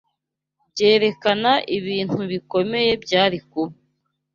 byerekana ibintu bikomeye byari kuba